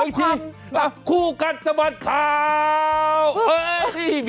ยังทีคู่กัดสบายขาว